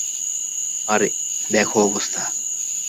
আরে, দেখো অবস্থা।